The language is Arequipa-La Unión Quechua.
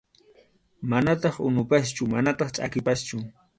Manataq unupaschu manataq chʼakipaschu.